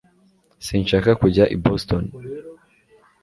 Sinshaka kujya i Boston